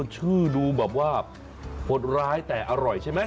ชื่อดูแบบว่าหดร้ายแต่อร่อยใช่ไหม